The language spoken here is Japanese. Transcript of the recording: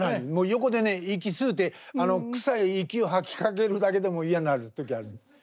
横でね息吸うて臭い息を吐きかけるだけでもう嫌になる時あるんです。